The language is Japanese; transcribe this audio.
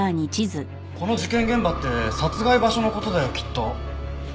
この「事件現場」って殺害場所の事だよきっと。